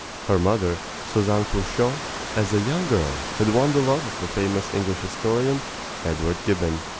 Her mother, Suzanne Curchod, as a young girl, had won the love of the famous English historian, Edward Gibbon.